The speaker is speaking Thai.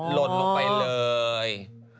ลนลงไปเลย